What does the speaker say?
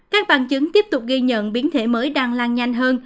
các bằng chứng tiếp tục ghi nhận biến thể mới đang lan nhanh hơn